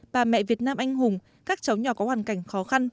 bà mẹ việt nam anh hùng các cháu nhỏ có hoàn cảnh khó khăn